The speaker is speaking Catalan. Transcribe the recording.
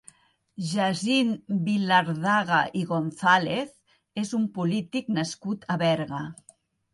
Jacint Vilardaga i González és un polític nascut a Berga.